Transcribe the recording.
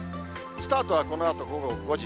スタートはこのあと午後５時。